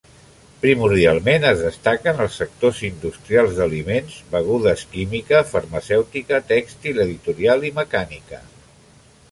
Primordialment es destaquen els sectors industrials d'aliments, begudes química, farmacèutica, tèxtil, editorial i mecànica.